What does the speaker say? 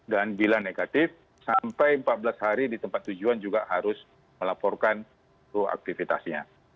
dan bila negatif sampai empat belas hari di tempat tujuan juga harus melaporkan aktivitasnya